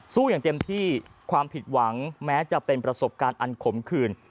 อย่างเต็มที่ความผิดหวังแม้จะเป็นประสบการณ์อันขมขืน